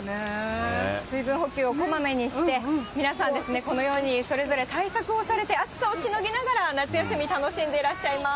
水分補給をこまめにして、皆さんですね、このように、それぞれ対策をされて、暑さをしのぎながら夏休み、楽しんでいらっしゃいます。